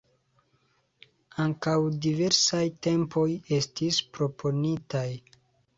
Ankaŭ diversaj tempoj estis proponitaj.